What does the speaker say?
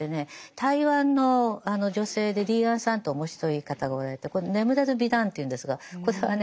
台湾の女性で李昴さんって面白い方がおられて「眠れる美男」っていうんですがこれはね